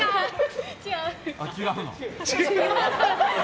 あ、違うの。